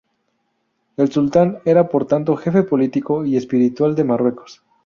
El sultán era, por tanto, jefe político y espiritual de Marruecos.